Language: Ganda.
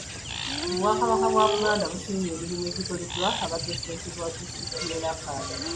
Obwakabaka bwa Buganda busiimye emirimu egikoleddwa abadde ssentebe wa disitulikiti y'e Rakai